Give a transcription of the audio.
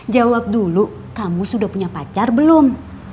jawab dulu kamu sudah punya pacar belum